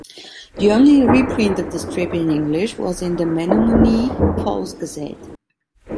The only reprint of the strip in English was in "The Menomonee Falls Gazette".